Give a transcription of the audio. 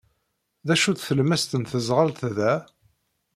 D acu-tt tlemmast n teẓɣelt da?